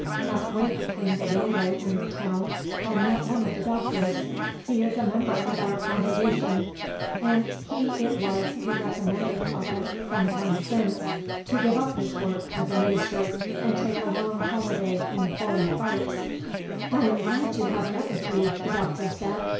Half way between the railway and the town, I met one of the doctors. He is a member of our congregation; and he it was who recommended papa, some time since, to give up his work as a minister and take a long holiday in foreign parts. "I am glad to have met with you," the doctor said.